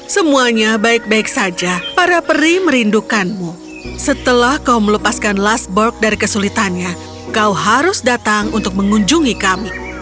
semuanya baik baik saja para peri merindukanmu setelah kau melepaskan lastburg dari kesulitannya kau harus datang untuk mengunjungi kami